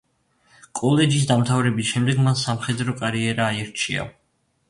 კოლეჯის დამთავრების შემდეგ, მან სამხედრო კარიერა აირჩია.